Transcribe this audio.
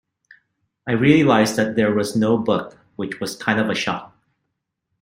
I realized that there was no book, which was kind of a shock.